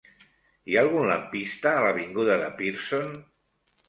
Hi ha algun lampista a l'avinguda de Pearson?